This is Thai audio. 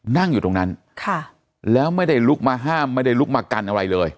นั่งอยู่ตรงนั้นแล้วไม่ได้ลุกมาห้ามไม่ได้ลุกมากันอะไรเลย